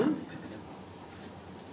dan juga ada aksi yang berkembang sekarang